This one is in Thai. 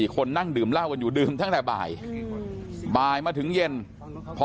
คนนั่งดื่มเหล้ากันอยู่ดื่มตั้งแต่บ่ายบ่ายมาถึงเย็นพอ